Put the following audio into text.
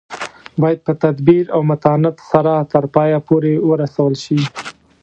باید په تدبیر او متانت سره تر پایه پورې ورسول شي.